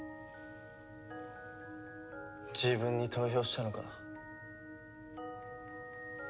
自分に投票したのか？